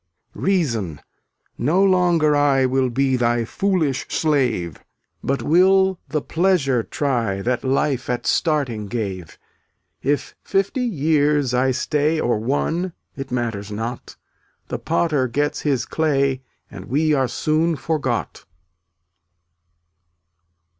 312 Reason, no longer I Will be thy foolish slave, But will the pleasure try That life at starting gave. If fifty years I stay Or one, it matters not; The Potter gets his clay And we are soon forgot.